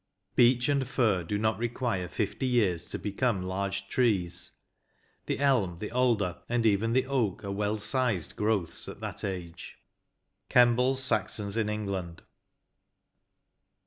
Beech and fir do not require fifty years to become large trees; the elm, the alder, and even the oak, are well sized growths at that age." — Kembles " Saxons in Eng land."